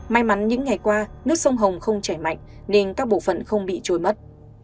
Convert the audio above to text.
may mắn những ngày qua nước sông hồng không chảy mạnh nên các bộ phận không bị trôi mất